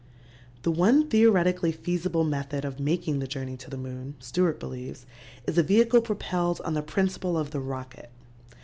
The one theoretically feasible method of making the journey to the moon, Stewart believes, is a vehicle propelled on the principle of the rocket.